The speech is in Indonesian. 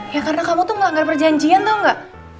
ya karena kamu tuh melanggar perjanjian tau gak